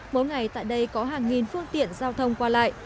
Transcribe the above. mỗi ngày tại đây có hàng nghìn phương tiện giao thông qua lại